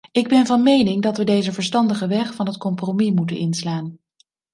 Ik ben van mening dat we deze verstandige weg van het compromis moeten inslaan.